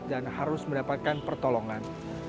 dan harus mendapatkan pertolongan